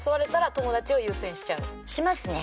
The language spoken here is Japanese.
しますね！！